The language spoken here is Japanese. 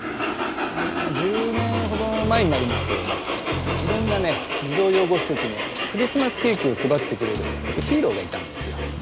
１０年ほど前になりますけどもいろんなね児童養護施設にクリスマスケーキを配ってくれるヒーローがいたんですよ。